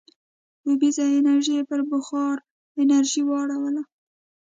اوبیزه انرژي یې پر بخار انرژۍ واړوله.